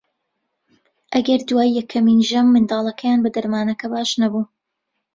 ئەگەر دوای یەکەمین ژەم منداڵەکەیان بە دەرمانەکە باش نەبوو